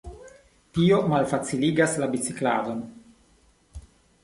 Tio malfaciligas la bicikladon.